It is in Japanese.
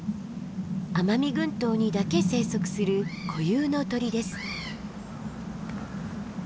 奄美群島にだけ生息する固有の鳥です。